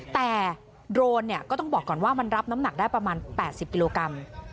แต่โดรนเนี่ยก็ต้องบอกก่อนว่ามันรับน้ำหนักได้ประมาณ๘๐กิโลกรัม